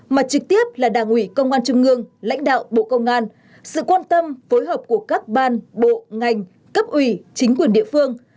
mà trực tiếp là đảng ủy công an trung ương lãnh đạo bộ công an sự quan tâm phối hợp của các ban bộ ngành cấp ủy chính quyền địa phương